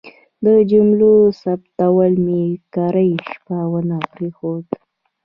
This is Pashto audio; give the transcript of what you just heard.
د جملو ثبتول مې کرۍ شپه ونه پرېښود.